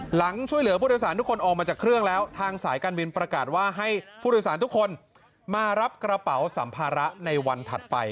หลังช่วยเหลือผู้โดยสารทุกคนออกมาจากเครื่องแล้วทางสายการบินประกาศว่าให้ผู้โดยสารทุกคนมารับกระเป๋าสัมภาระในวันถัดไป